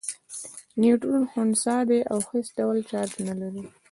نیوټرون خنثی دی او هیڅ ډول چارچ نلري.